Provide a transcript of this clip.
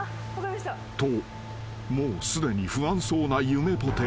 ［ともうすでに不安そうなゆめぽて］